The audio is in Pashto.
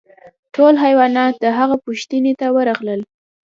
ټول حیوانات د هغه پوښتنې ته ورغلل.